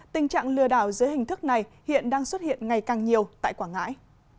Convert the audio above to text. tình trạng lừa đảo dưới hình thức này hiện đang xuất hiện ngày càng nhiều tại quảng ngãi